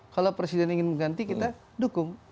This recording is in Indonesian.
kalau presiden ingin mengganti kita dukung